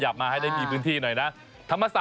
มาให้ได้มีพื้นที่หน่อยนะ